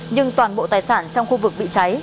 nhưng toàn bộ tài sản trong khu vực bị cháy